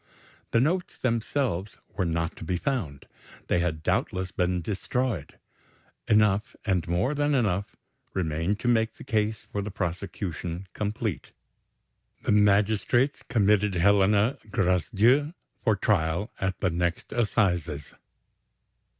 The notes themselves were not to be found; they had doubtless been destroyed. Enough, and more than enough, remained to make the case for the prosecution complete. The magistrates committed Helena Gracedieu for trial at the next assizes.